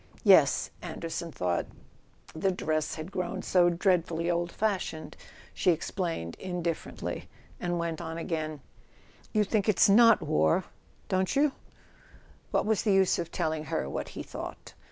"Yes. Anderson thought. .. the dress had grown so dreadfully old fashioned," she explained indiffer¬ ently; and went on again: "You think it's not war: don't you?" What was the use of telling her what he thought?